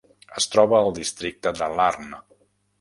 Es troba al districte de Larne.